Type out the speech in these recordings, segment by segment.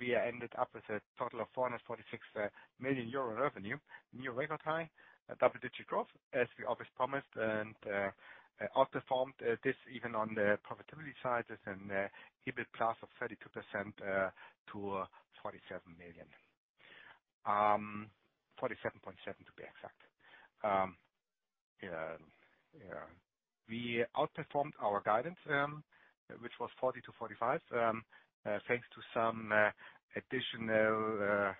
We ended up with a total of 446 million euro in revenue, new record high, a double-digit growth as we always promised. We outperformed this even on the profitability side is an EBIT plus of 32% to 47 million. 47.7 to be exact. Yeah. We outperformed our guidance, which was 40 million-45 million, thanks to some additional,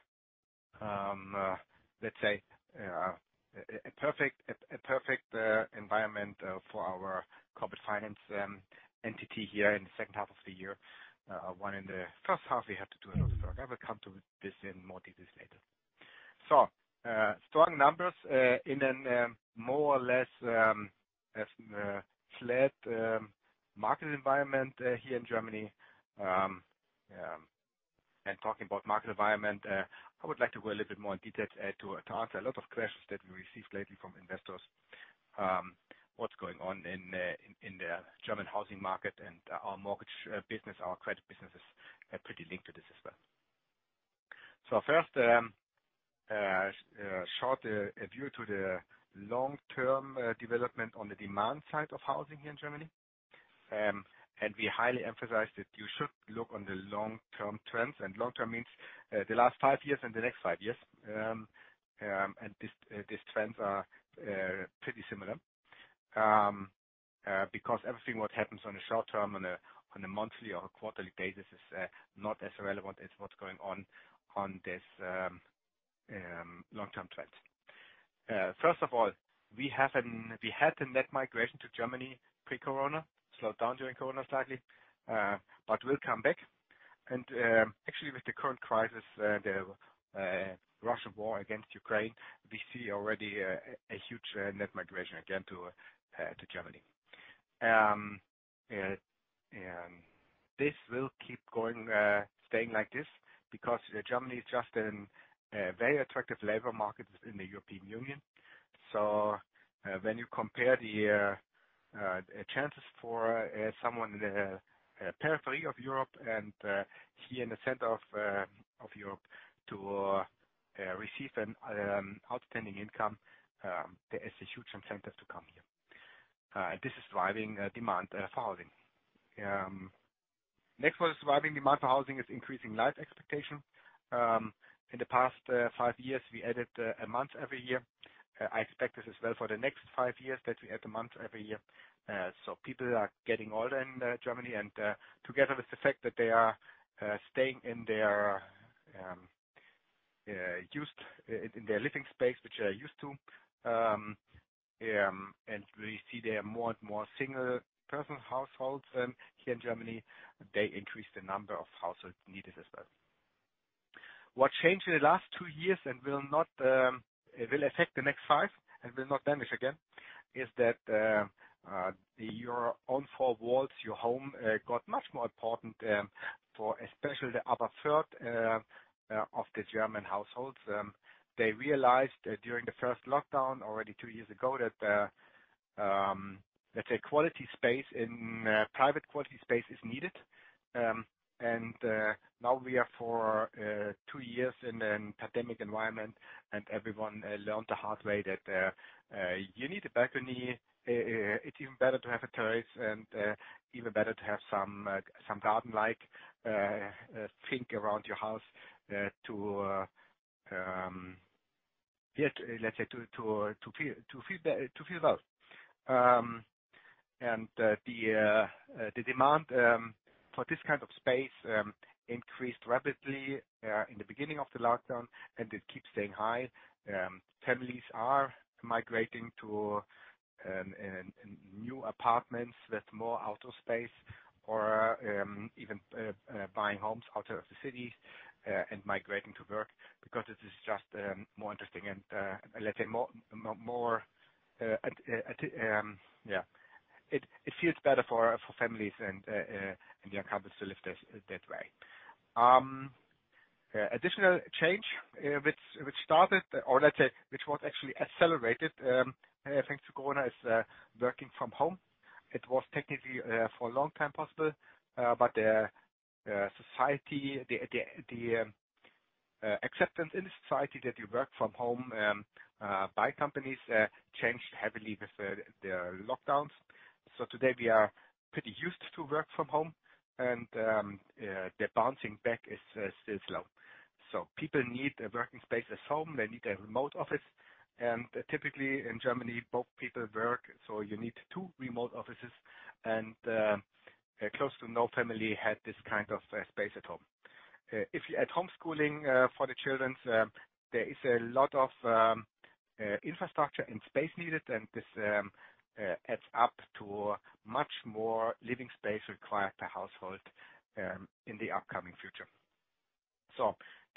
let's say, a perfect environment for our corporate finance entity here in the second half of the year. In the first half, we had to do a lot of work. I will come to this in more details later. Strong numbers in a more or less flat market environment here in Germany. Talking about market environment, I would like to go a little bit more in detail to answer a lot of questions that we received lately from investors, what's going on in the German housing market and our mortgage business. Our credit business is pretty linked to this as well. First, short view to the long-term development on the demand side of housing here in Germany. We highly emphasize that you should look on the long-term trends. Long-term means the last five years and the next five years. These trends are pretty similar. Because everything what happens on the short-term, on a monthly or a quarterly basis is not as relevant as what's going on on this long-term trends. First of all, we had the net migration to Germany pre-COVID, slowed down during COVID slightly, but will come back. This will keep going, staying like this because Germany is just a very attractive labor market in the European Union. When you compare the chances for someone in the periphery of Europe and here in the center of Europe to receive an outstanding income, there is a huge incentive to come here. This is driving demand for housing. Next one is driving demand for housing is increasing life expectancy. In the past five years, we added a month every year. I expect this as well for the next five years that we add a month every year. People are getting older in Germany, and together with the fact that they are staying in their living space, which they are used to. We see there are more and more single person households here in Germany. They increase the number of households needed as well. What changed in the last two years and will affect the next five and will not damage again is that your own four walls, your home, got much more important for especially the other third of the German households. They realized that during the first lockdown already two years ago that let's say private quality space is needed. Now we are for two years in a pandemic environment and everyone learned the hard way that you need a balcony. It's even better to have a terrace and even better to have some garden-like thing around your house to let's say to feel well. The demand for this kind of space increased rapidly in the beginning of the lockdown, and it keeps staying high. Families are migrating to new apartments with more outdoor space or even buying homes outside of the cities and migrating to work because it is just more interesting and let's say more. It feels better for families and young couples to live that way. Additional change, which started or let's say, which was actually accelerated, thanks to COVID, is working from home. It was technically for a long time possible, but the society, the acceptance in the society that you work from home by companies changed heavily with the lockdowns. Today we are pretty used to work from home and the bouncing back is still slow. People need a working space at home. They need a remote office. Close to no family had this kind of space at home. With at-home schooling for the children, there is a lot of infrastructure and space needed and this adds up to much more living space required per household in the upcoming future.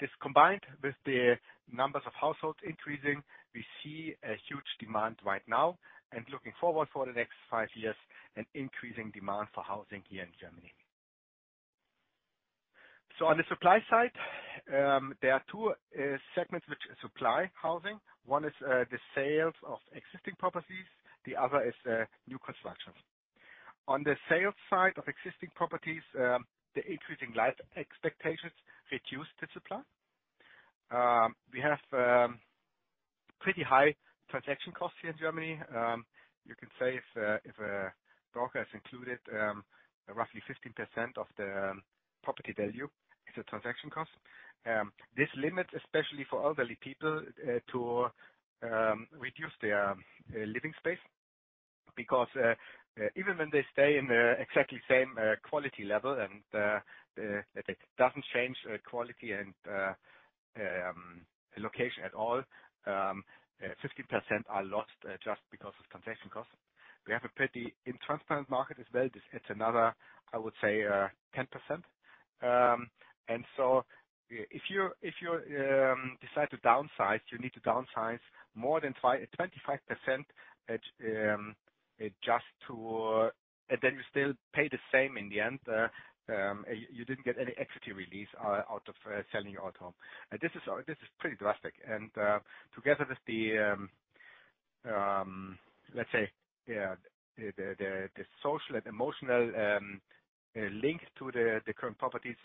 This combined with the number of households increasing, we see a huge demand right now and looking forward for the next five years, an increasing demand for housing here in Germany. On the supply side, there are two segments which supply housing. One is the sales of existing properties, the other is new constructions. On the sales side of existing properties, the increasing life expectancies reduce the supply. We have pretty high transaction costs here in Germany. You can say if a broker is included, roughly 15% of the property value is a transaction cost. This limits especially for elderly people to reduce their living space because even when they stay in the exactly same quality level and it doesn't change quality and location at all, 15% are lost just because of transaction costs. We have a pretty intransparent market as well. This adds another, I would say, 10%. If you decide to downsize, you need to downsize more than 25% just to then you still pay the same in the end. You didn't get any equity release out of selling your home. This is pretty drastic. Together with the social and emotional link to the current properties,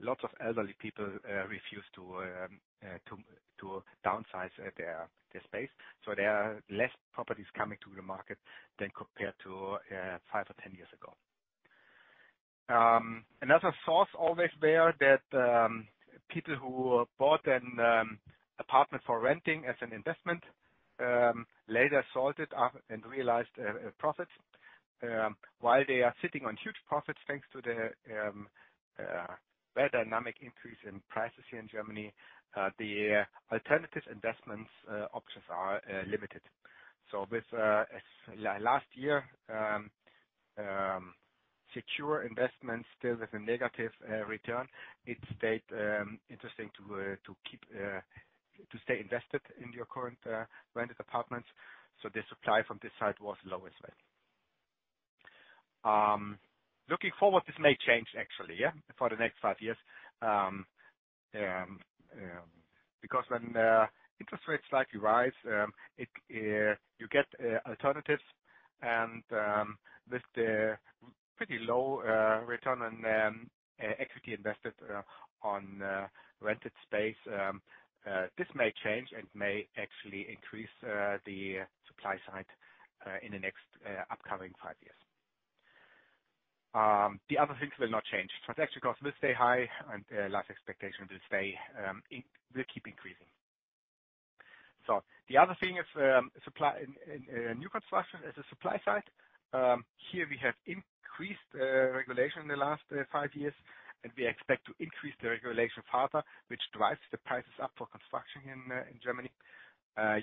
lots of elderly people refuse to downsize their space. There are less properties coming to the market than compared to five or 10 years ago. Another source always there that people who bought an apartment for renting as an investment later sold it up and realized a profit. While they are sitting on huge profits, thanks to the very dynamic increase in prices here in Germany, the alternative investment options are limited. With last year secure investments still with a negative return, it stayed interesting to stay invested in your current rented apartments. The supply from this side was low as well. Looking forward, this may change actually for the next five years, because when the interest rates slightly rise, you get alternatives and with the pretty low return on equity invested on rented space, this may change and may actually increase the supply side in the next upcoming five years. The other things will not change. Transaction costs will stay high and life expectations will keep increasing. The other thing is supply in new construction is the supply side. Here we have increased regulation in the last five years, and we expect to increase the regulation further, which drives the prices up for construction in Germany.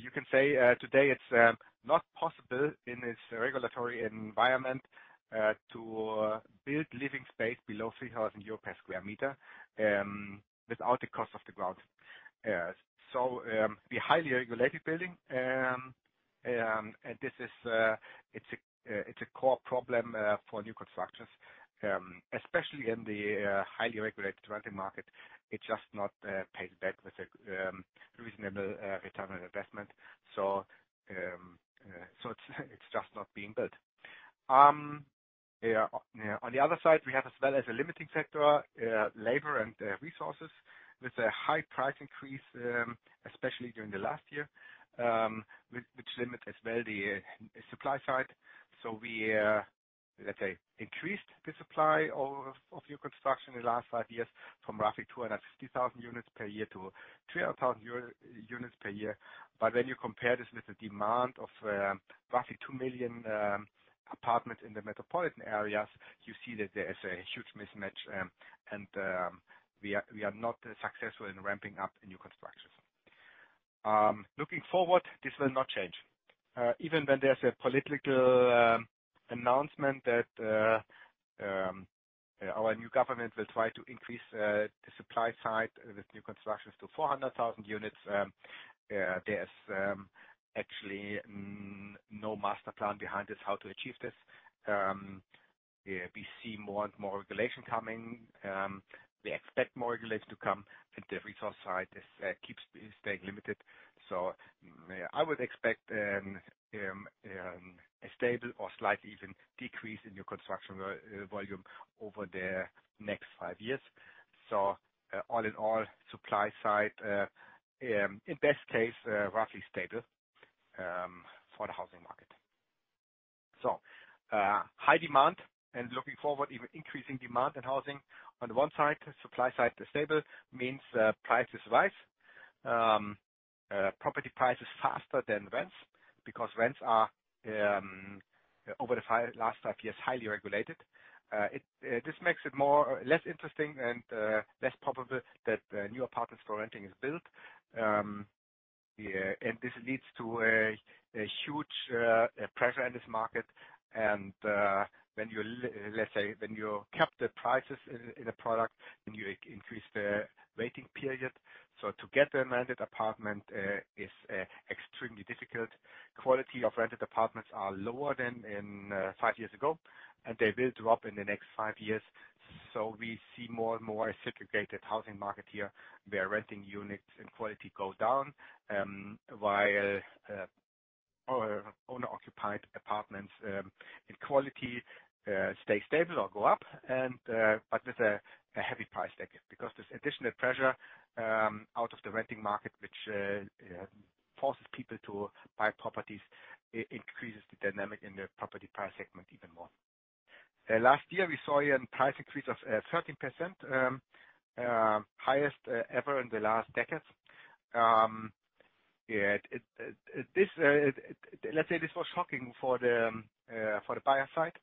You can say today it's not possible in this regulatory environment to build living space below 3,000 euro per sq meter without the cost of the ground. The highly regulated building and this is a core problem for new constructions especially in the highly regulated renting market. It just not pays back with a reasonable return on investment. It's just not being built. On the other side, we have as well as a limiting factor labor and resources with a high price increase especially during the last year which limit as well the supply side. We increased the supply of new construction in the last five years from roughly 250,000 units per year to 300,000 units per year. When you compare this with the demand of roughly 2 million apartments in the metropolitan areas, you see that there is a huge mismatch, and we are not successful in ramping up new constructions. Looking forward, this will not change. Even when there's a political announcement that our new government will try to increase the supply side with new constructions to 400,000 units, there's actually no master plan behind this, how to achieve this. We see more and more regulation coming. We expect more regulation to come, and the resource side keeps staying limited. I would expect a stable or slightly even decrease in new construction volume over the next five years. All in all, supply side in best case roughly stable for the housing market. High demand and looking forward even increasing demand in housing on the one side, supply side is stable, means prices rise. Property prices faster than rents because rents are over the last five years highly regulated. This makes it less interesting and less probable that new apartments for renting is built. This leads to a huge pressure in this market. When you, let's say, when you cap the prices in a product, then you increase the waiting period. To get a rented apartment is extremely difficult. quality of rented apartments is lower than in five years ago, and they will drop in the next five years. We see more and more segregated housing market here, where renting units and quality go down, while owner-occupied apartments in quality stay stable or go up and but with a heavy price tag because this additional pressure out of the renting market, which forces people to buy properties, increases the dynamic in the property price segment even more. Last year, we saw a price increase of 13%, highest ever in the last decades. Yeah, this, let's say, this was shocking for the buyer side.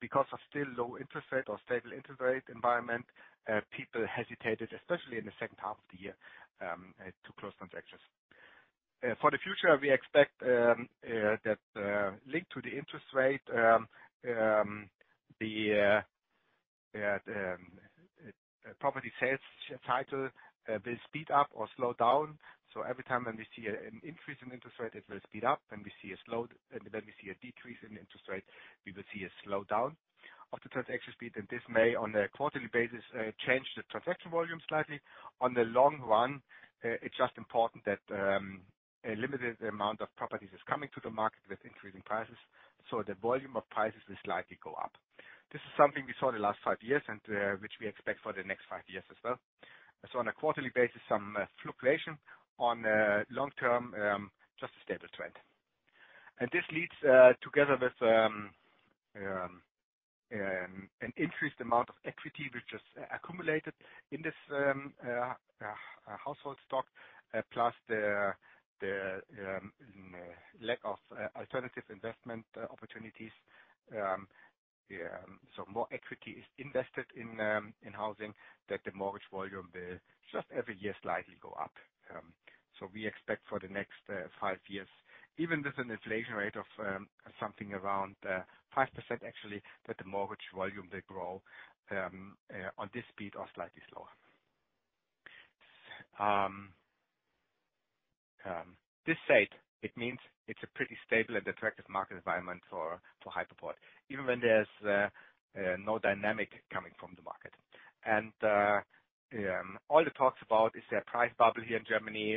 Because of still low interest rate or stable interest rate environment, people hesitated, especially in the second half of the year, to close transactions. For the future, we expect that linked to the interest rate, the property sales platform will speed up or slow down. Every time when we see an increase in interest rate, it will speed up. When we see a decrease in interest rate, we will see a slowdown of the transaction speed, and this may, on a quarterly basis, change the transaction volume slightly. On the long run, it's just important that a limited amount of properties is coming to the market with increasing prices, so the volume of prices will slightly go up. This is something we saw the last five years and which we expect for the next five years as well. On a quarterly basis, some fluctuation. On long-term, just a stable trend. This leads, together with an increased amount of equity which is accumulated in this household stock, plus the lack of alternative investment opportunities. More equity is invested in housing that the mortgage volume will just every year slightly go up. We expect for the next five years, even with an inflation rate of something around 5% actually, that the mortgage volume will grow on this speed or slightly slower. That said, it means it's a pretty stable and attractive market environment for Hypoport, even when there's no dynamic coming from the market. All the talk about whether there is a price bubble here in Germany,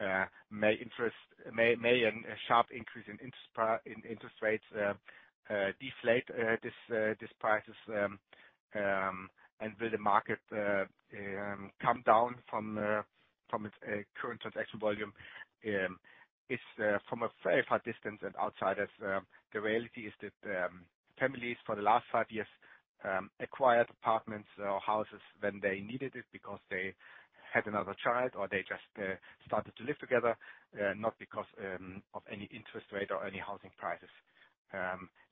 or whether a sharp increase in interest rates will deflate these prices, and will the market come down from its current transaction volume? It's from a very far distance, and as outsiders, the reality is that families for the last five years acquired apartments or houses when they needed it because they had another child or they just started to live together, not because of any interest rate or any housing prices.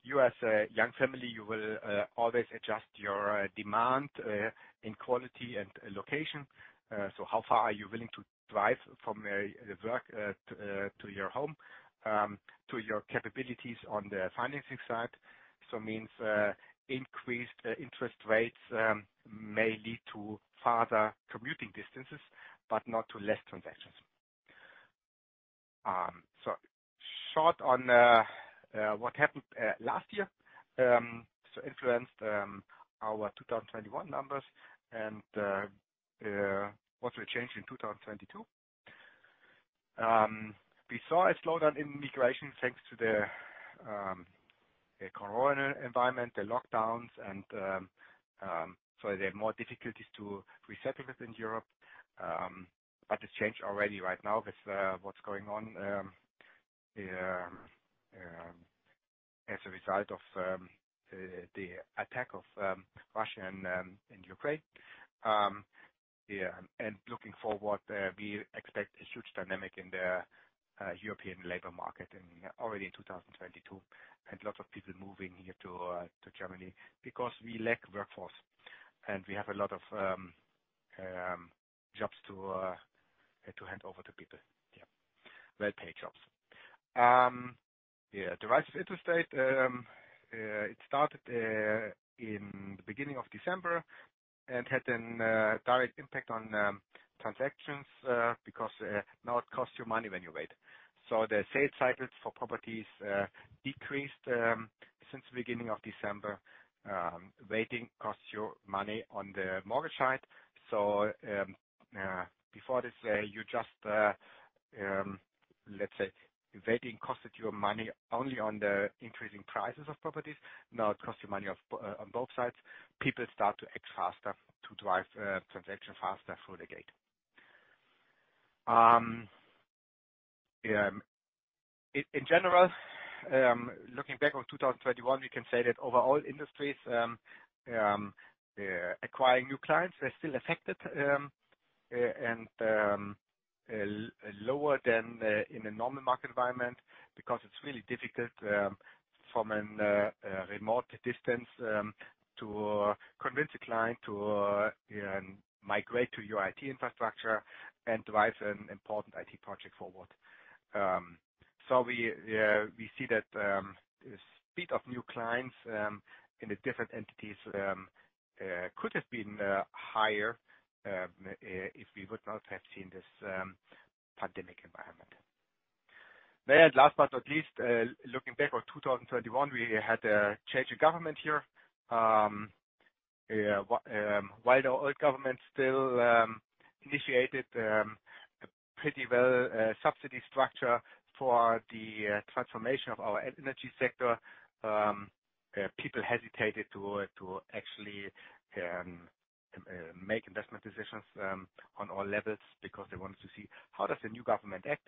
You as a young family, you will always adjust your demand in quality and location. How far are you willing to drive from the work to your home to your capabilities on the financing side. Means increased interest rates may lead to farther commuting distances, but not to less transactions. Short on what happened last year so influenced our 2021 numbers and what will change in 2022. We saw a slowdown in immigration thanks to the corona environment, the lockdowns and so they had more difficulties to resettling within Europe. It's changed already right now with what's going on as a result of the attack of Russia and in Ukraine. Yeah, looking forward, we expect a huge dynamic in the European labor market and already in 2022, and lots of people moving here to Germany because we lack workforce and we have a lot of jobs to hand over to people. Yeah. Well-paid jobs. Yeah, the rise of interest rate it started in the beginning of December and had a direct impact on transactions because now it costs you money when you wait. The sales cycles for properties decreased since the beginning of December. Waiting costs you money on the mortgage side. Before this, you just, let's say waiting costed you money only on the increasing prices of properties. Now it costs you money on both sides. People start to act faster to drive transaction faster through the gate. In general, looking back on 2021, we can say that overall industries acquiring new clients are still affected and lower than in a normal market environment because it's really difficult from a remote distance to convince a client to migrate to your IT infrastructure and drive an important IT project forward. We see that speed of new clients in the different entities could have been higher if we would not have seen this pandemic environment. Last but not least, looking back on 2021, we had a change of government here. Yeah. While the old government still initiated a pretty well subsidy structure for the transformation of our energy sector, people hesitated to actually make investment decisions on all levels because they wanted to see how does the new government act.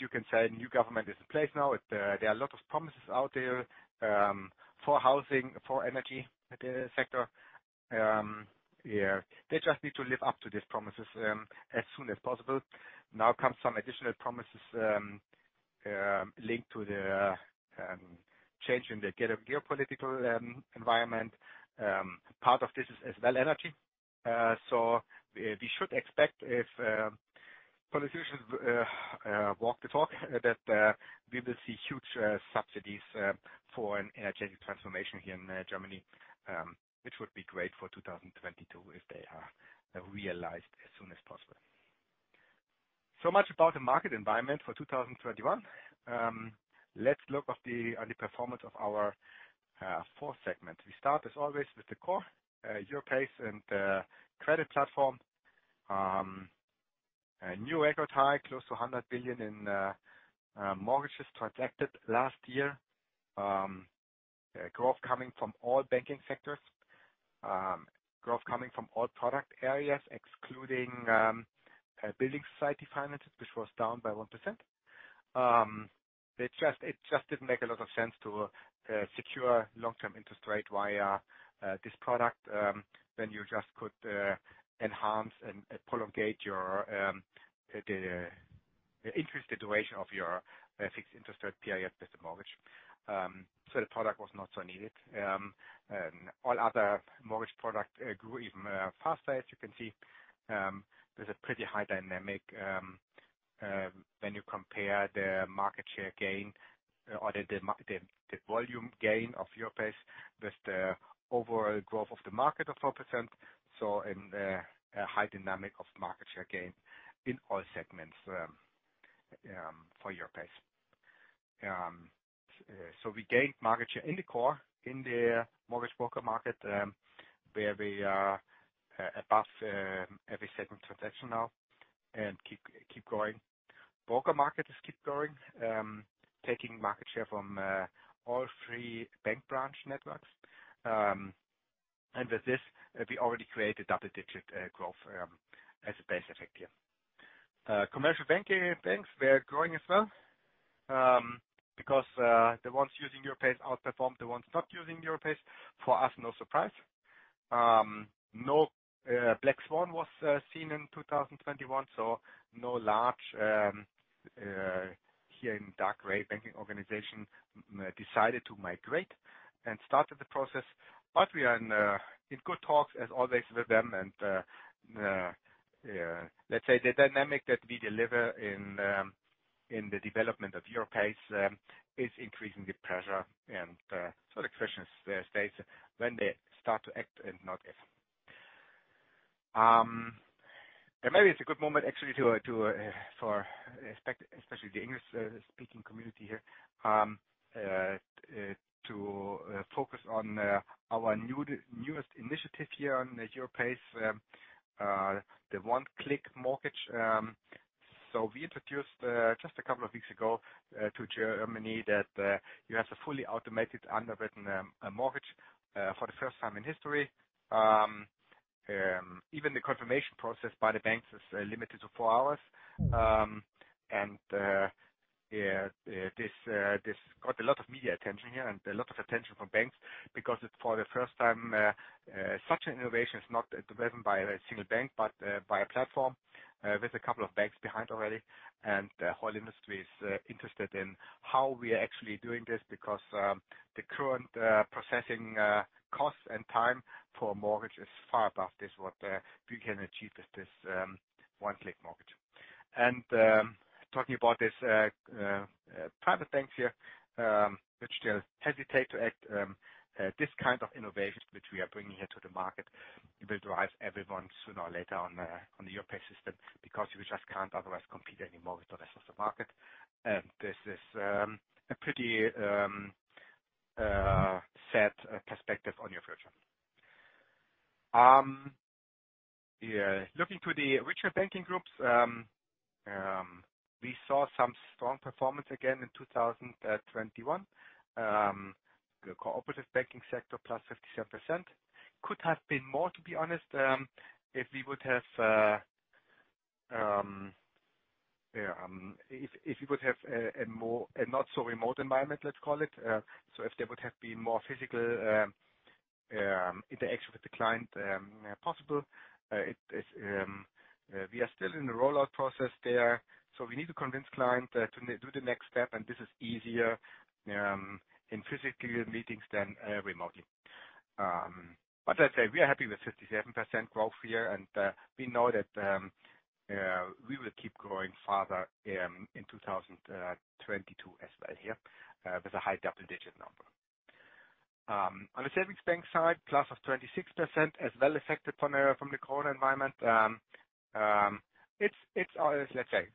You can say the new government is in place now. There are a lot of promises out there for housing, for energy sector. Yeah. They just need to live up to these promises as soon as possible. Now comes some additional promises linked to the change in the geopolitical environment. Part of this is as well energy. We should expect if politicians walk the talk that we will see huge subsidies for an energy transformation here in Germany, which would be great for 2022 if they are realized as soon as possible. So much about the market environment for 2021. Let's look at the performance of our four segments. We start, as always, with the core Europace and the credit platform. A new record high, close to 100 billion in mortgages transacted last year. Growth coming from all banking sectors. Growth coming from all product areas, excluding building society finances, which was down by 1%. It just didn't make a lot of sense to secure long-term interest rate via this product. When you just could enhance and prolong your interest duration of your fixed interest rate period with the mortgage. The product was not so needed. All other mortgage products grew even faster. As you can see, there's a pretty high dynamic when you compare the market share gain or the volume gain of Europace with the overall growth of the market of 4%. In the high dynamic of market share gain in all segments for Europace. We gained market share in the core in the mortgage broker market, where we are above every second transaction now and keep growing. Broker markets keep growing, taking market share from all three bank branch networks. With this, we already created double-digit growth as a base effect here. Commercial banking banks, they are growing as well, because the ones using Europace outperformed the ones not using Europace. For us, no surprise. No black swan was seen in 2021, so no large banking organization decided to migrate and started the process. We are in good talks as always with them. Let's say the dynamic that we deliver in the development of Europace is increasing the pressure. The question stays when they start to act and not if. Maybe it's a good moment actually for especially the English-speaking community here to focus on our newest initiative here on Europace, the OneClick mortgage. We introduced just a couple of weeks ago to Germany that you have a fully automated underwritten mortgage for the first time in history. Even the confirmation process by the banks is limited to four hours. This got a lot of media attention here and a lot of attention from banks because it's for the first time such an innovation is not driven by a single bank, but by a platform with a couple of banks behind already. The whole industry is interested in how we are actually doing this because the current processing costs and time for a mortgage is far above what we can achieve with this one-click mortgage. Talking about this private banks here which they hesitate to act this kind of innovations which we are bringing here to the market will drive everyone sooner or later on the Europace system because you just can't otherwise compete anymore with the rest of the market. This is a pretty sad perspective on your future. Yeah. Looking to the richer banking groups we saw some strong performance again in 2021. The cooperative banking sector +57%. Could have been more, to be honest, if we would have a not so remote environment, let's call it. If there would have been more physical interaction with the client possible. We are still in the rollout process there, so we need to convince clients to do the next step. This is easier in physical meetings than remotely. But I'd say we are happy with 57% growth here. We know that we will keep growing further in 2022 as well here with a high double-digit number. On the savings bank side, +26% as well affected from the COVID environment. It's, let's say,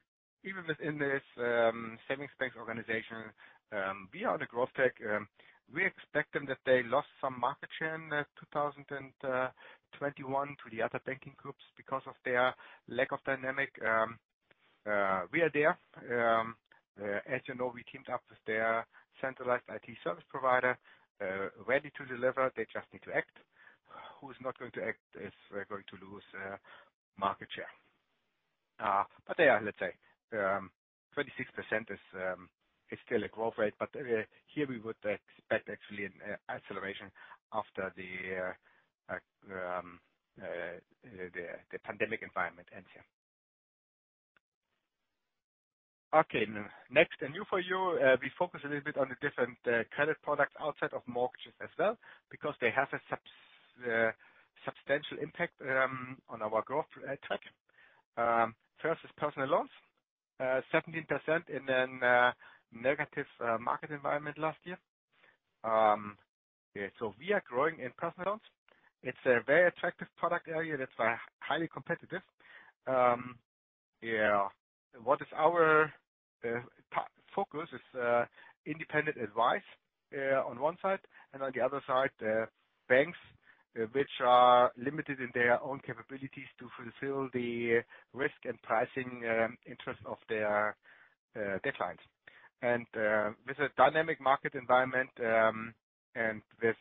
even within this savings bank organization, we are the growth tech. We're expecting that they lost some market share in 2021 to the other banking groups because of their lack of dynamism. We are there. As you know, we teamed up with their centralized IT service provider, ready to deliver. They just need to act. Who's not going to act is going to lose market share. They are, let's say, 26% is still a growth rate. Here we would expect actually an acceleration after the pandemic environment ends, yeah. Okay. Next, a new for you. We focus a little bit on the different credit products outside of mortgages as well because they have a substantial impact on our growth track. First is personal loans. 17% in a negative market environment last year. We are growing in personal loans. It's a very attractive product area that's highly competitive. Yeah. Our focus is independent advice on one side and on the other side banks which are limited in their own capabilities to fulfill the risk and pricing interest of their clients. With a dynamic market environment and with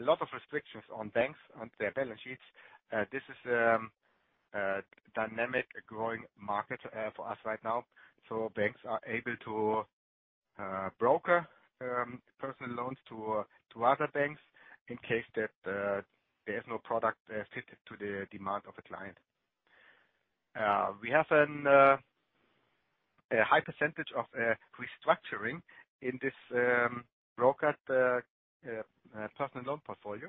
a lot of restrictions on banks on their balance sheets, this is a dynamic growing market for us right now. Banks are able to broker personal loans to other banks in case that there is no product fitted to the demand of the client. We have a high percentage of restructuring in this brokered personal loan portfolio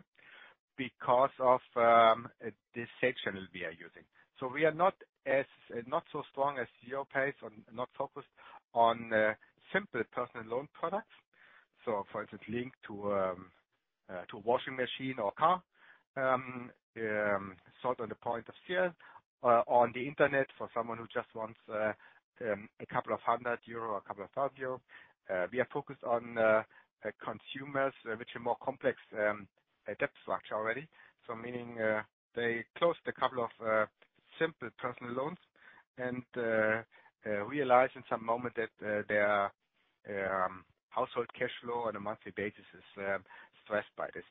because of the section we are using. We are not so strong as Europace is, not focused on simple personal loan products. For instance, linked to a washing machine or car, sold on the point of sale, on the Internet for someone who just wants a couple of 100 euro or a couple of 1,000 euro. We are focused on consumers which are more complex debt structure already. Meaning, they closed a couple of simple personal loans and realized in some moment that their household cash flow on a monthly basis is stressed by this.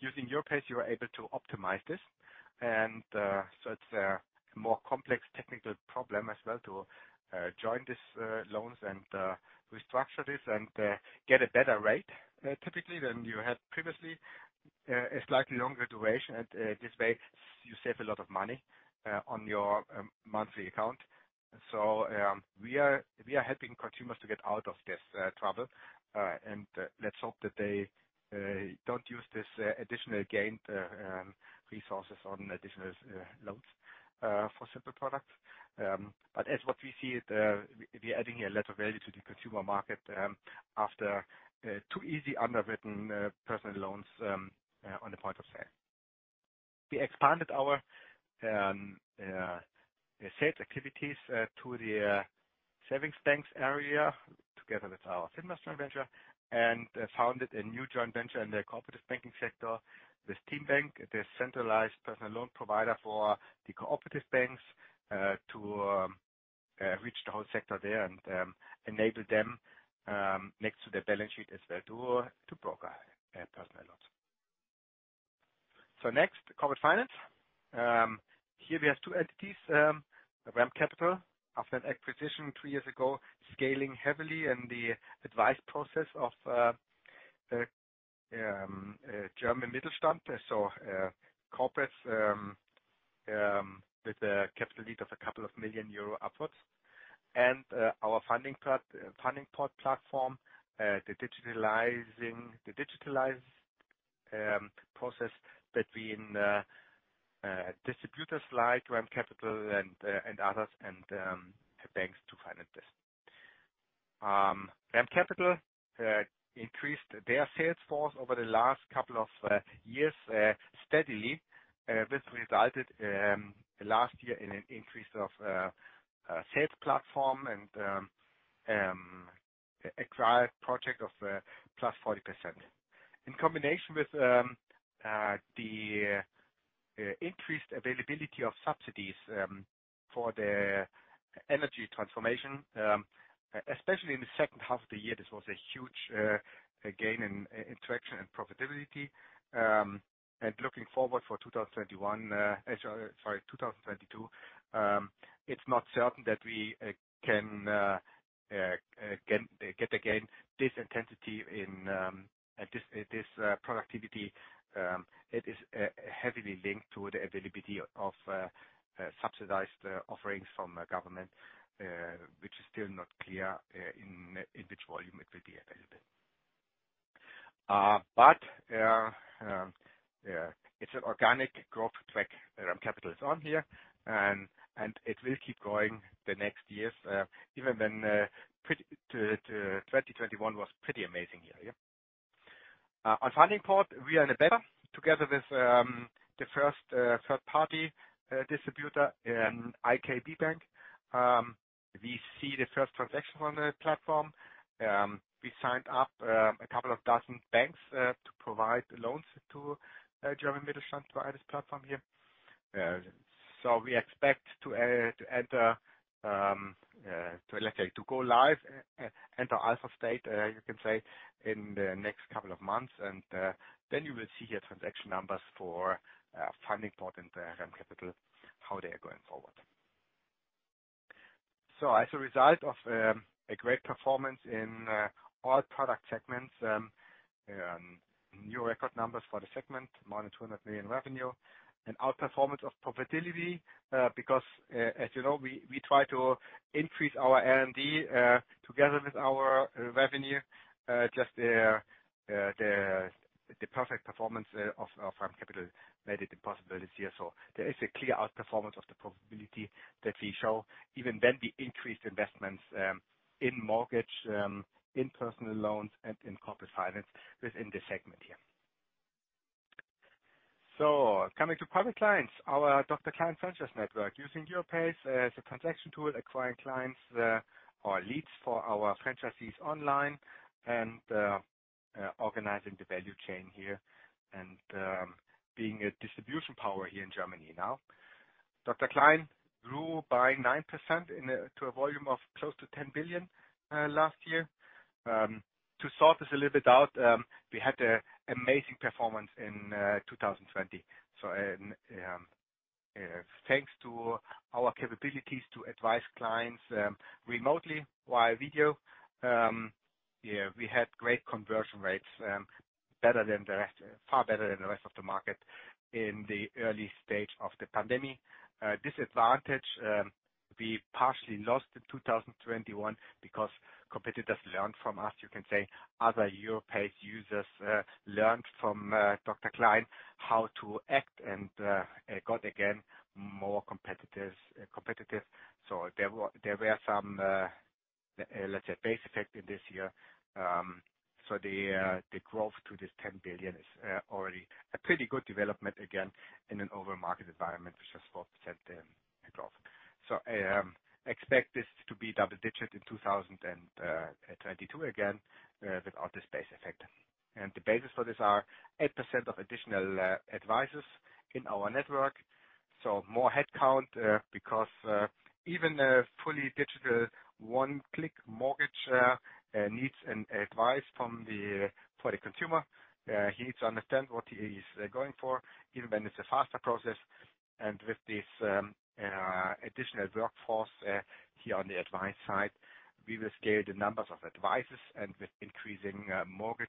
Using Europace, you are able to optimize this. It's a more complex technical problem as well to join these loans and restructure this and get a better rate typically than you had previously, a slightly longer duration. This way you save a lot of money on your monthly amount. We are helping consumers to get out of this trouble. Let's hope that they don't use this additionally gained resources on additional loans for simple products. As what we see is, we're adding a lot of value to the consumer market, after too easy underwritten personal loans on the point of sale. We expanded our sales activities to the savings banks area together with our FINMAS joint venture and founded a new joint venture in the cooperative banking sector with TeamBank, the centralized personal loan provider for the cooperative banks, to reach the whole sector there and enable them next to their balance sheet as well to broker personal loans. Next, corporate finance. Here we have two entities. The REM Capital, after an acquisition three years ago, scaling heavily in the advice process of German Mittelstand. Corporates with a capital need of a couple of million ero upwards. Our funding platform, the digitalized process between distributors like REM Capital and others and banks to finance this. REM Capital increased their sales force over the last couple of years steadily. This resulted last year in an increase of a sales platform and acquired project of +40%. In combination with the increased availability of subsidies for the energy transformation especially in the second half of the year, this was a huge gain in interaction and profitability. Looking forward to 2022, it's not certain that we can get again this intensity in this productivity. It is heavily linked to the availability of subsidized offerings from government, which is still not clear in which volume it will be available. It's an organic growth track, capital is on track and it will keep growing the next years, even when 2021 was pretty amazing year. On FundingPort, we are in the beta together with the first third party distributor in IKB Bank. We see the first transaction on the platform. We signed up a couple of dozen banks to provide loans to German Mittelstand to add this platform here. We expect to go live, enter alpha state, you can say, in the next couple of months. Then you will see here transaction numbers for FundingPort and REM Capital, how they are going forward. As a result of a great performance in all product segments, new record numbers for the segment, more than 200 million revenue. Outperformance of profitability, because as you know, we try to increase our R&D together with our revenue, just the perfect performance of our REM Capital made it impossible this year. There is a clear outperformance of the profitability that we show even when we increased investments in mortgage in personal loans and in corporate finance within this segment here. Coming to private clients, our Dr. Klein franchise network. Using Europace as a transaction tool, acquiring clients or leads for our franchisees online and organizing the value chain here and being a distribution power here in Germany now. Dr. Klein grew by 9% to a volume of close to 10 billion last year. To sort this a little bit out, we had an amazing performance in 2020. Thanks to our capabilities to advise clients remotely via video. Yeah, we had great conversion rates, far better than the rest of the market in the early stage of the pandemic. The disadvantage we partially lost in 2021 because competitors learned from us. You can say other Europace users learned from Dr. Klein how to act and it got more competitive. There were some, let's say, base effect in this year. The growth to this 10 billion is already a pretty good development again, in an overall market environment, which is 4% in growth. Expect this to be double-digit in 2022 again, without the base effect. The basis for this are 8% additional advisors in our network. More head count, because even a fully digital OneClick mortgage needs advice for the consumer. He needs to understand what he is going for, even when it's a faster process. With this additional workforce here on the advice side, we will scale the numbers of advice and with increasing mortgage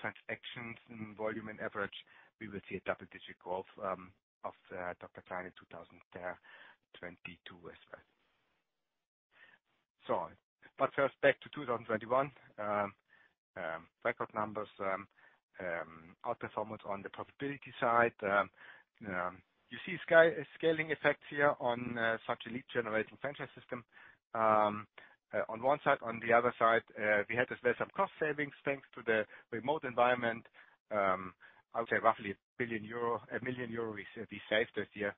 transaction volume on average, we will see double-digit growth of Dr. Klein in 2022 as well. First, back to 2021. Record numbers, outperformance on the profitability side. You see scaling effect here on such a lead generating franchise system on one side. On the other side, we had as well some cost savings thanks to the remote environment. I would say roughly 1 million euro we saved this year.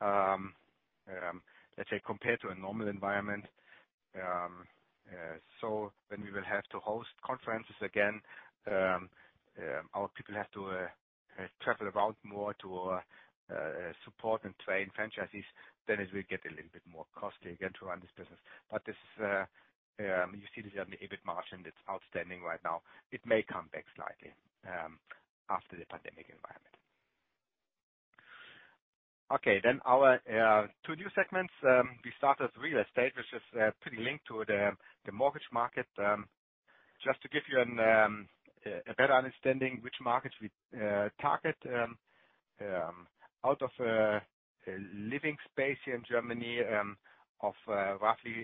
Let's say compared to a normal environment. When we will have to host conferences again, our people have to travel around more to support and train franchisees, then it will get a little bit more costly again to run this business. You see this on the EBIT margin. It's outstanding right now. It may come back slightly after the pandemic environment. Okay. Our two new segments. We started real estate, which is pretty linked to the mortgage market. Just to give you a better understanding which markets we target. Out of living space here in Germany of roughly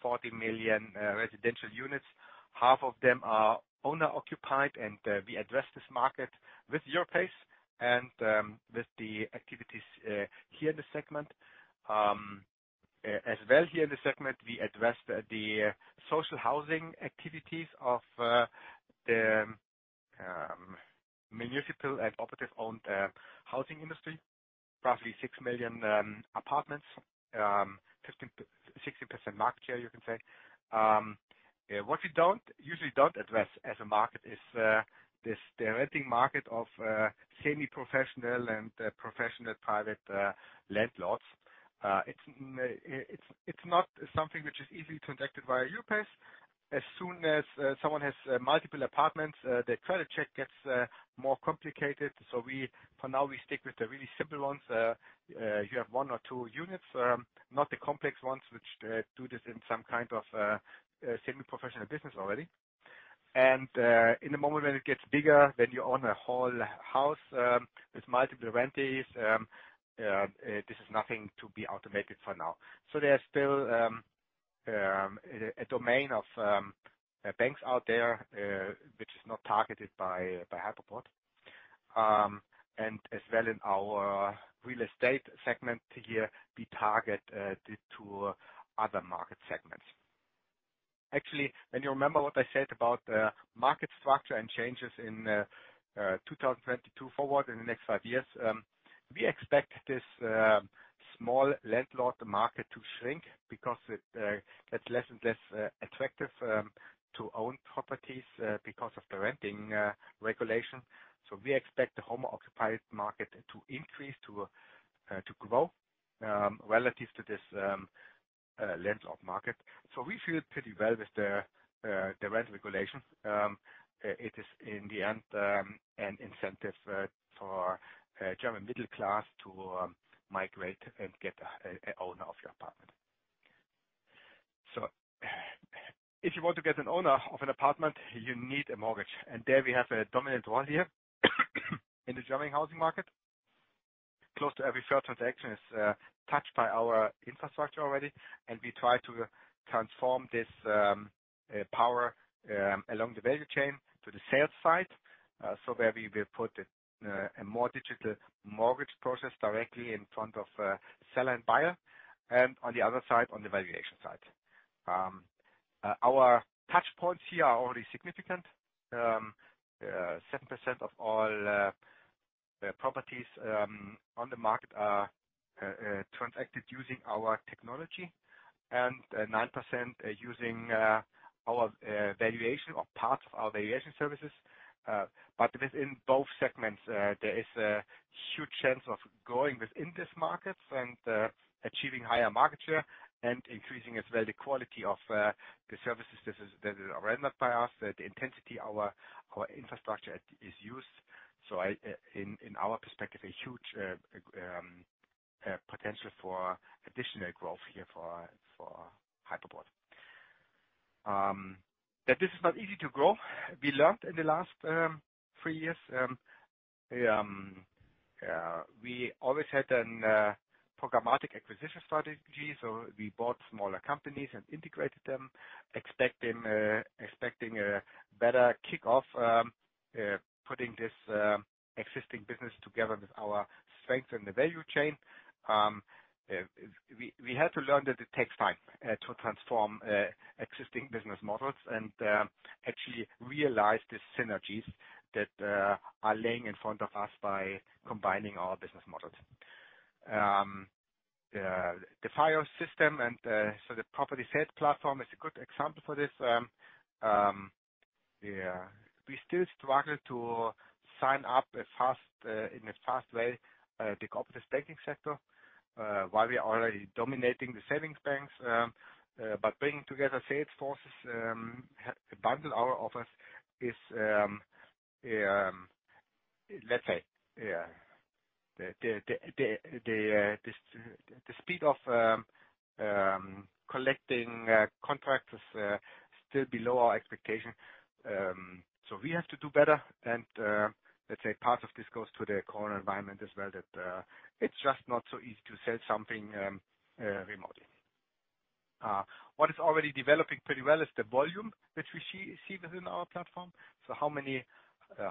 40 million residential units. Half of them are owner-occupied, and we address this market with Europace and with the activities here in the segment. As well here in the segment, we address the social housing activities of the municipal and cooperative-owned housing industry. Roughly 6 million apartments. 15%-60% market share, you can say. What we usually don't address as a market is this renting market of semi-professional and professional private landlords. It's not something which is easily transacted via Europace. As soon as someone has multiple apartments, their credit check gets more complicated. For now, we stick with the really simple ones. You have one or two units, not the complex ones which do this in some kind of semi-professional business already. In the moment when it gets bigger, when you own a whole house with multiple tenants, this is nothing to be automated for now. There are still a domain of banks out there which is not targeted by Hypoport. As well in our Real Estate segment here, we target the two other market segments. Actually, you remember what I said about the market structure and changes in 2022 forward in the next five years. We expect this small landlord market to shrink because it gets less and less attractive to own properties because of the rent regulation. We expect the owner-occupied market to increase to grow relative to this landlord market. We feel pretty well with the rent regulation. It is in the end an incentive for German middle class to migrate and become an owner of your apartment. If you want to become an owner of an apartment, you need a mortgage. There we have a dominant role here in the German housing market. Close to every third transaction is touched by our infrastructure already, and we try to transform this power along the value chain to the sales side. Where we will put a more digital mortgage process directly in front of seller and buyer, and on the other side, on the valuation side. Our touch points here are already significant. 7% of all properties on the market are transacted using our technology and 9% are using our valuation or parts of our valuation services. Within both segments there is a huge chance of growing within this market and achieving higher market share and increasing as well the quality of the services that is rendered by us. The intensity our infrastructure is used. In our perspective, a huge potential for additional growth here for Hypoport. That this is not easy to grow. We learned in the last three years we always had a programmatic acquisition strategy. We bought smaller companies and integrated them, expecting a better kickoff, putting this existing business together with our strength in the value chain. We had to learn that it takes time to transform existing business models and actually realize the synergies that are laying in front of us by combining our business models. The FIO system and so the property sales platform is a good example for this. We still struggle to sign up as fast, in a fast way, the cooperative banking sector while we are already dominating the savings banks. Bringing together sales forces, bundle our offers is, let's say. The speed of collecting contractors still below our expectation. We have to do better. Let's say part of this goes to the COVID environment as well, that it's just not so easy to sell something remotely. What is already developing pretty well is the volume which we see within our platform. How many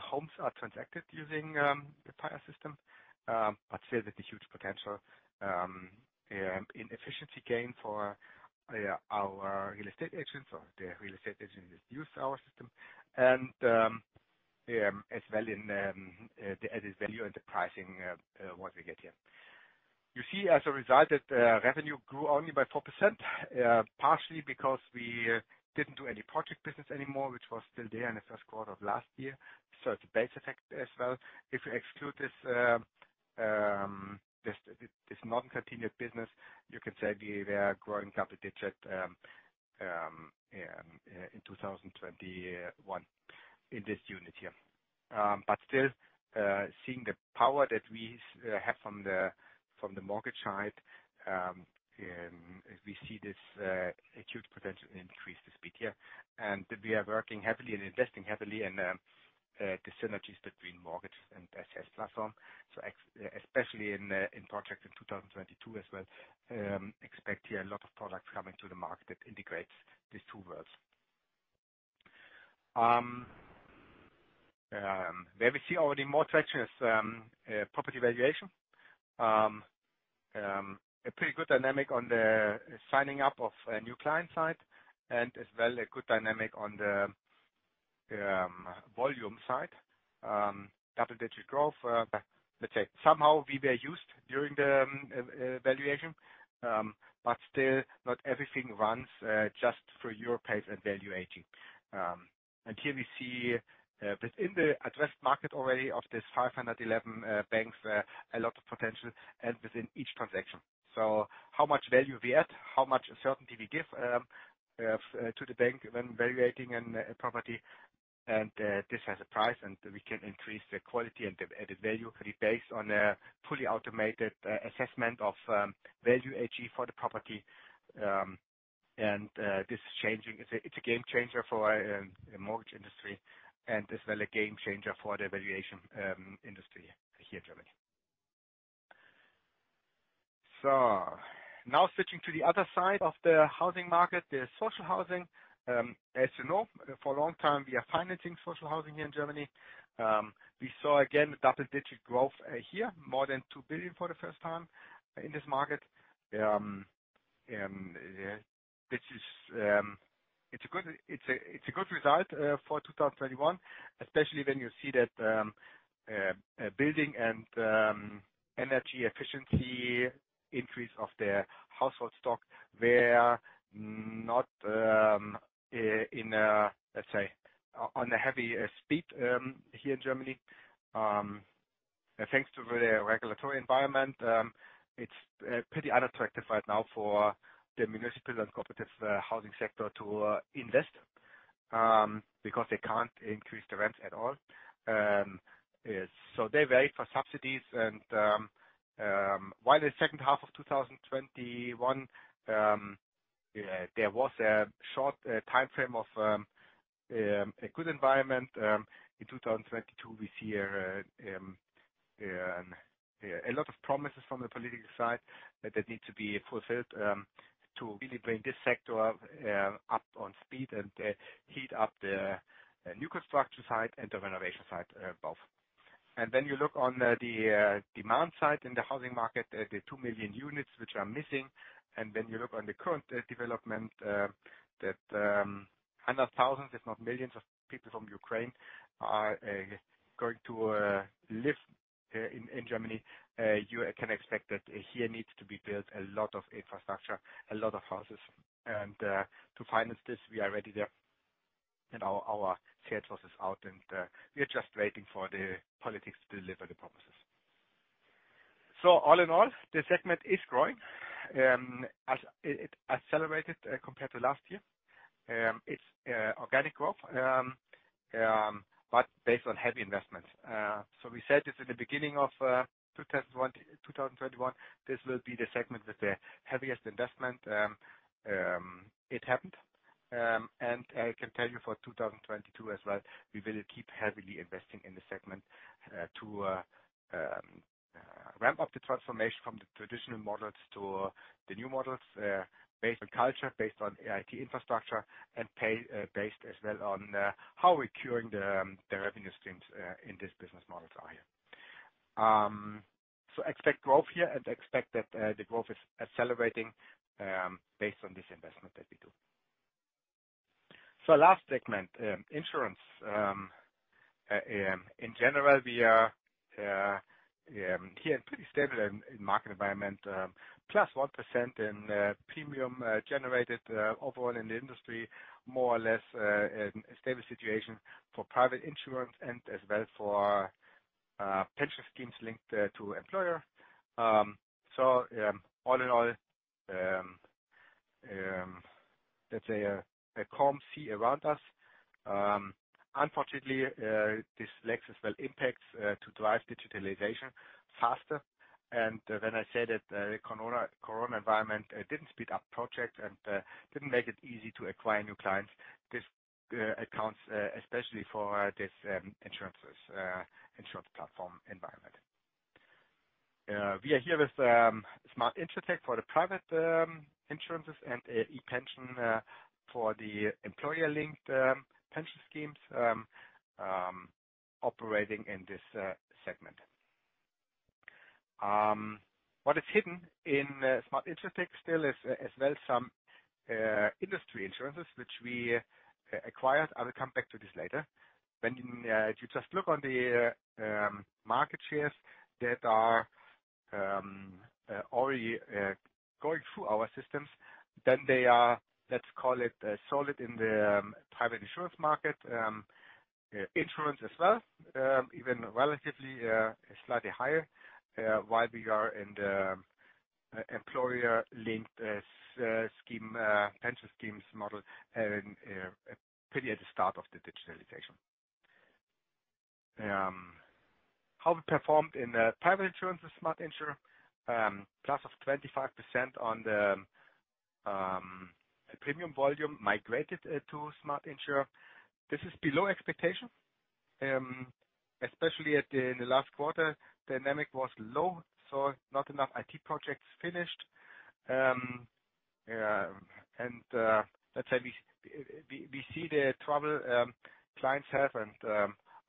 homes are transacted using the FIO system? Still there's a huge potential in efficiency gain for our real estate agents or the real estate agents that use our system, as well as its value in the pricing what we get here. You see as a result that, revenue grew only by 4%, partially because we didn't do any project business anymore, which was still there in the first quarter of last year. It's a base effect as well. If you exclude this non-continued business, you can say we are growing double-digit in 2021 in this unit here. Still, seeing the power that we have from the mortgage side, we see this a huge potential increase this bit here. We are working heavily and investing heavily in the synergies between mortgage and SS platform. Especially in projects in 2022 as well, expect here a lot of products coming to the market that integrates these two worlds. Where we see already more traction is property valuation. A pretty good dynamic on the signing up of a new client side and as well a good dynamic on the volume side. Double-digit growth. Let's say somehow we were used to the valuation, but still not everything runs just through Europace and Value AG. Here we see, within the addressed market already of this 511 banks, a lot of potential and within each transaction. How much value we add, how much certainty we give to the bank when valuating a property. This has a price, and we can increase the quality and the value pre-based on a fully automated assessment of Value AG for the property. This is changing. It's a game changer for the mortgage industry and as well a game changer for the valuation industry here in Germany. Now switching to the other side of the housing market, the social housing. As you know, for a long time, we are financing social housing here in Germany. We saw again double-digit growth here, more than 2 billion for the first time in this market. It's a good result for 2021, especially when you see that building and energy efficiency increase of the housing stock, which is not at a high speed here in Germany. Thanks to the regulatory environment, it's pretty unattractive right now for the municipal and cooperative housing sector to invest, because they can't increase the rents at all. They wait for subsidies and while the second half of 2021, there was a short timeframe of a good environment. In 2022, we see a lot of promises from the political side that need to be fulfilled to really bring this sector up to speed and heat up the new construction side and the renovation side above. You look on the demand side in the housing market, the 2 million units which are missing, and then you look on the current development, that hundreds of thousands, if not millions of people from Ukraine are going to live in Germany. You can expect that here needs to be built a lot of infrastructure, a lot of houses. To finance this, we are already there, and our sales force is out and we are just waiting for the politics to deliver the promises. All in all, the segment is growing, as it accelerated compared to last year. It's organic growth, but based on heavy investments. We said this at the beginning of 2021, this will be the segment with the heaviest investment. It happened. I can tell you for 2022 as well, we will keep heavily investing in the segment to ramp up the transformation from the traditional models to the new models based on culture, based on IT infrastructure based as well on how we're curing the revenue streams in this business models are here. Expect growth here and expect that the growth is accelerating based on this investment that we do. Last segment, insurance. In general, we are here in pretty stable market environment plus 1% in premium generated overall in the industry, more or less a stable situation for private insurance and as well for pension schemes linked to employer. All in all, let's say a calm sea around us. Unfortunately, this lacks as well impacts to drive digitalization faster. When I said that, COVID environment didn't speed up projects and didn't make it easy to acquire new clients, this accounts especially for this insurance platform environment. We are here with Smart InsurTech for the private insurances and ePension for the employer-linked pension schemes operating in this segment. What is hidden in Smart InsurTech still is, as well some industry insurances which we acquired. I will come back to this later. When you just look at the market shares that are already going through our systems, then they are, let's call it, solid in the private insurance market, insurance as well, even relatively slightly higher, while we are in the employer-linked pension schemes model and pretty at the start of the digitalization. How we performed in the private insurance with SMART INSUR, plus of 25% on the premium volume migrated to SMART INSUR. This is below expectation, especially in the last quarter, dynamic was low, so not enough IT projects finished. Let's say we see the trouble clients have and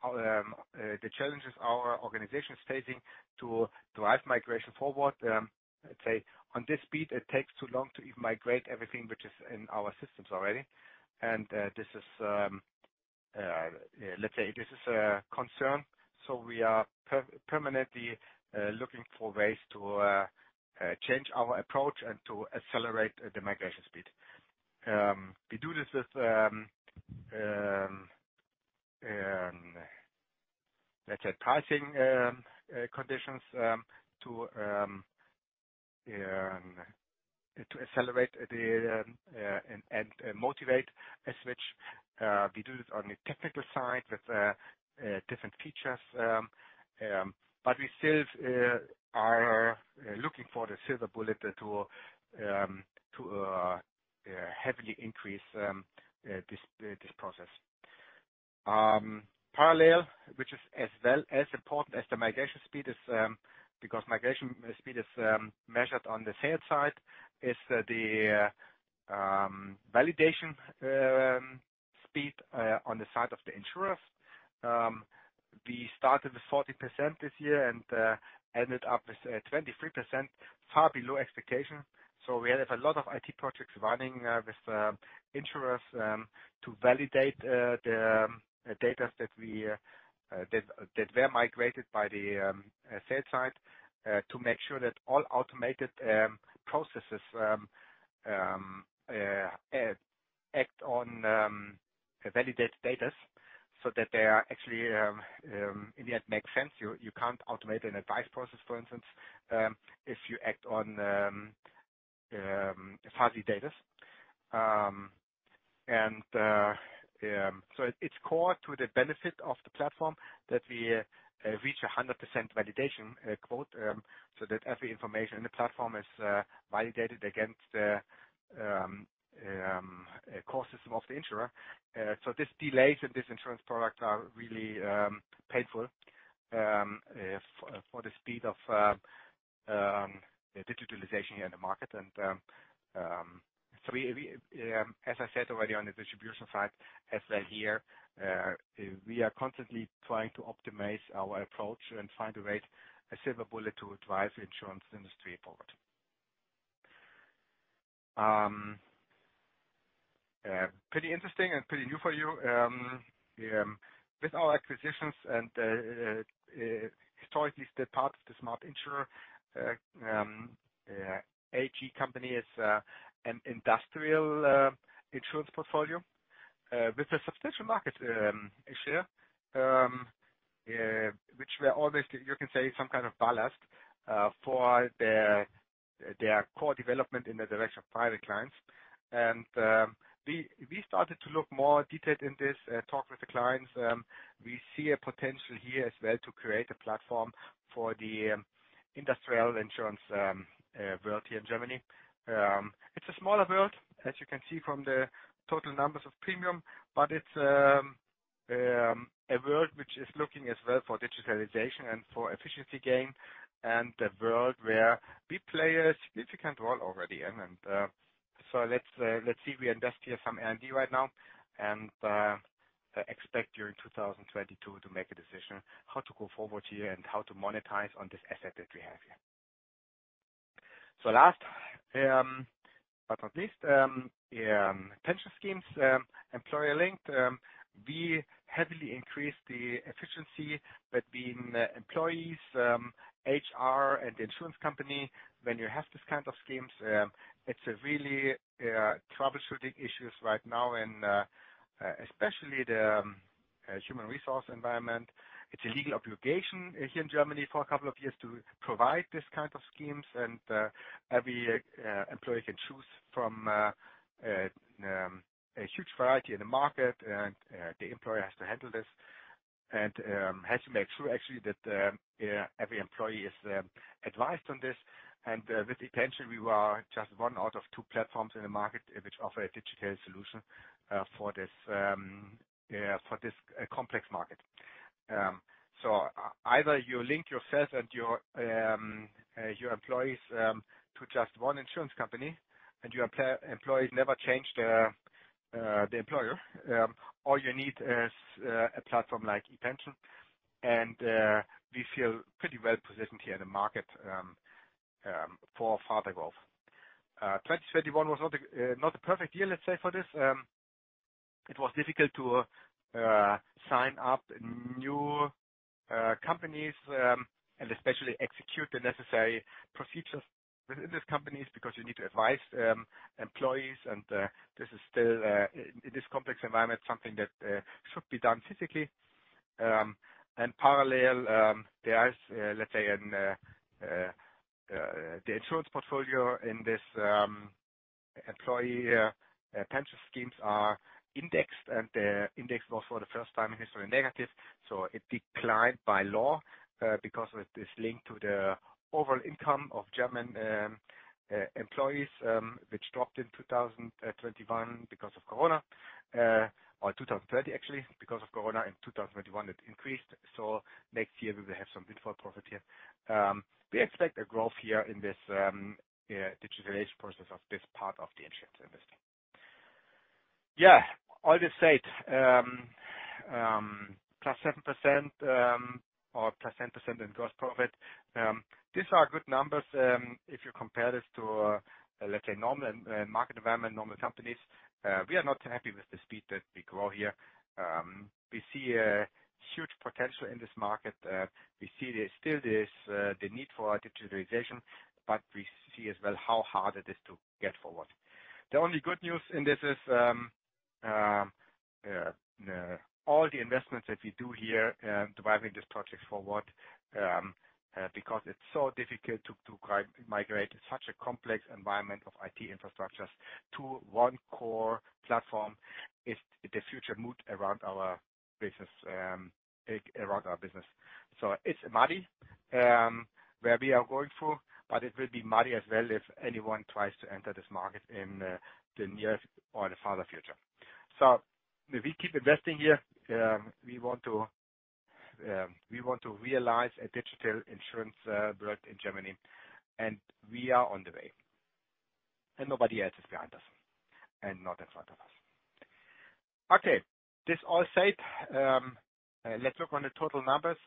how the challenges our organization is facing to drive migration forward. On this speed, it takes too long to even migrate everything which is in our systems already. This is a concern. We are permanently looking for ways to change our approach and to accelerate the migration speed. We do this with pricing conditions to accelerate and motivate a switch. We do this on the technical side with different features. We still are looking for the silver bullet to heavily increase this process. Parallel, which is as well as important as the migration speed is, because migration speed is measured on the sales side, is the validation speed on the side of the insurers. We started with 40% this year and ended up with 23%, far below expectation. We have a lot of IT projects running with insurers to validate the data that were migrated by the sales side to make sure that all automated processes act on validated data so that they are actually, if that makes sense, you can't automate an advice process, for instance, if you act on fuzzy data. It's core to the benefit of the platform that we reach 100% validation quota so that every information in the platform is validated against the core system of the insurer. These delays in this insurance product are really painful for the speed of digitalization here in the market. We as I said already on the distribution side, as well here, we are constantly trying to optimize our approach and find a way, a silver bullet to drive the insurance industry forward. Pretty interesting and pretty new for you. With our acquisitions and historically, it's the part of the Smart InsurTech AG company is an industrial insurance portfolio with a substantial market issue which we are always, you can say, some kind of ballast for their core development in the direction of private clients. We started to look more detailed in this talk with the clients. We see a potential here as well to create a platform for the industrial insurance world here in Germany. It's a smaller world, as you can see from the total numbers of premium, but it's a world which is looking as well for digitalization and for efficiency gain and a world where we play a significant role already. Let's see. We invest here some R&D right now and expect during 2022 to make a decision how to go forward here and how to monetize on this asset that we have here. Last but not least, pension schemes, employer linked. We heavily increase the efficiency between the employees, HR, and the insurance company. When you have these kind of schemes, it's a really troublesome issues right now and especially the human resource environment. It's a legal obligation here in Germany for a couple of years to provide these kind of schemes. Every employee can choose from a huge variety in the market. The employer has to handle this and has to make sure actually that every employee is advised on this. With intention, we are just one out of two platforms in the market which offer a digital solution for this complex market. Either you link yourself and your employees to just one insurance company, and your employees never change the employer. All you need is a platform like ePension. We feel pretty well positioned here in the market for further growth. 2021 was not a perfect year, let's say, for this. It was difficult to sign up new companies and especially execute the necessary procedures within these companies because you need to advise employees. This is still in this complex environment, something that should be done physically. Parallel, there is, let's say, the insurance portfolio in this employee pension schemes are indexed, and the index was for the first time in history negative. It declined below, because it is linked to the overall income of German employees, which dropped in 2021 because of COVID, or 2020 actually, because of COVID, in 2021, it increased. Next year, we will have some default profit here. We expect a growth here in this digitalization process of this part of the insurance industry. Yeah. All this said, +7% or +10% in gross profit. These are good numbers, if you compare this to, let's say, normal market environment, normal companies. We are not happy with the speed that we grow here. We see a huge potential in this market. We see there's still this, the need for digitalization, but we see as well how hard it is to get forward. The only good news in this is, all the investments that we do here, driving these projects forward, because it's so difficult to migrate such a complex environment of IT infrastructures to one core platform. It's the future mood around our business, around our business. So it's muddy. Where we are going for, but it will be muddy as well if anyone tries to enter this market in, the near or the farther future. So we keep investing here. We want to realize a digital insurance, built in Germany, and we are on the way, and nobody else is behind us and not in front of us. Okay, this all said, let's work on the total numbers.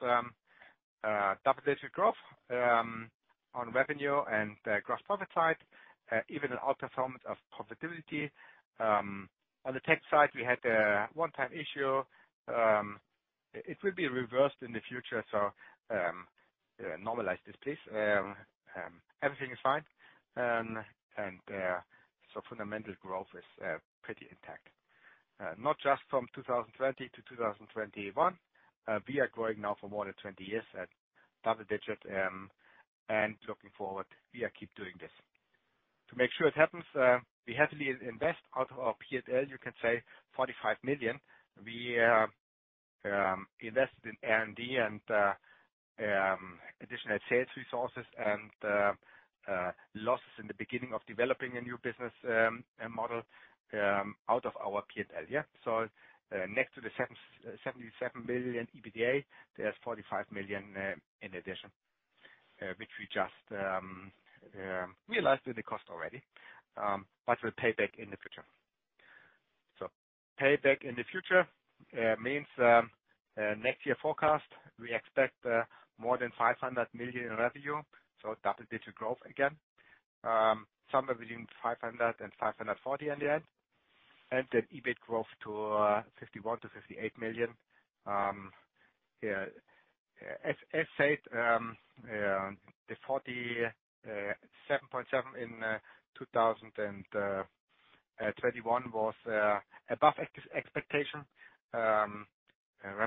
Double-digit growth on revenue and gross profit side, even an outperformance of profitability. On the tech side, we had a one-time issue. It will be reversed in the future, so normalize this, please. Everything is fine. Fundamental growth is pretty intact. Not just from 2020 to 2021. We are growing now for more than 20 years at double-digit. Looking forward, we are keep doing this. To make sure it happens, we happily invest out of our P&L. You can say 45 million. We invest in R&D and additional sales resources and losses in the beginning of developing a new business model out of our P&L. Yeah. Next to the 77 billion, EBITDA, there's 45 million in addition. Which we just realized with the cost already, but will pay back in the future. Pay back in the future means next year forecast, we expect more than 500 million in revenue, so double-digit growth again. Somewhere between 500 million and 540 million in the end. Then EBIT growth to 51 million-58 million. Yeah. As said, the 47.7 million in 2021 was above expectation. REM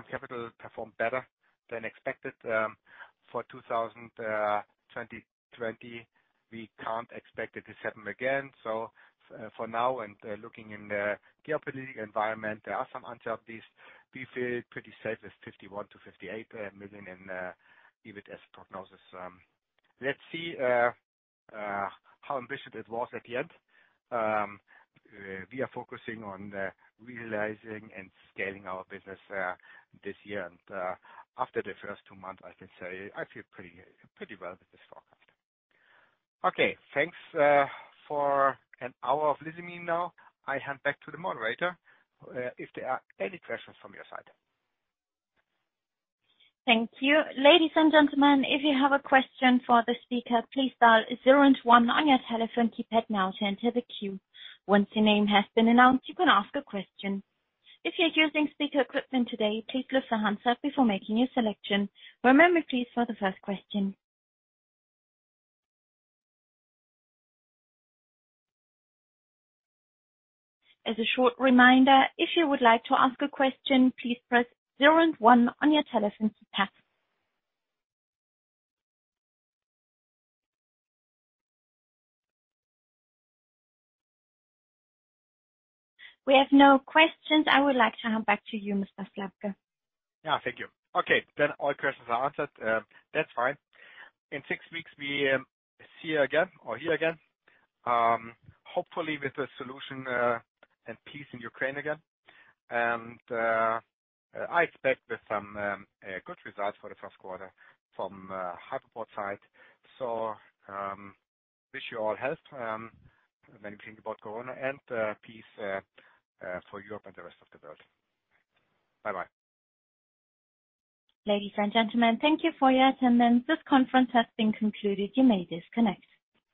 Capital performed better than expected for 2020. We can't expect it to happen again. For now and looking in the geopolitical environment, there are some uncertainties. We feel pretty safe with 51 million-58 million in EBIT as a prognosis. Let's see how ambitious it was at the end. We are focusing on realizing and scaling our business this year. After the first two months, I can say I feel pretty well with this forecast. Okay. Thanks for an hour of listening now. I hand back to the moderator if there are any questions from your side. Thank you. Ladies and gentlemen, if you have a question for the speaker, please dial zero and one on your telephone keypad now to enter the queue. Once your name has been announced, you can ask a question. If you're using speaker equipment today, please lift the handset before making your selection. We'll remember, please, for the first question. As a short reminder, if you would like to ask a question, please press zero and one on your telephone keypad. We have no questions. I would like to hand back to you, Mr. Slabke. Yeah. Thank you. Okay, all questions are answered. That's fine. In six weeks, we see you again or hear again, hopefully with a solution and peace in Ukraine again. I expect with some good results for the first quarter from Hypoport side. Wish you all health when you think about Corona and peace for Europace and the rest of the world. Bye-bye. Ladies and gentlemen, thank you for your attendance. This conference has been concluded. You may disconnect.